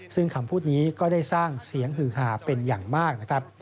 ซึ่งคำพูดนี้ก็ได้สร้างเสียงฮือหาเป็นอย่างมากนะครับ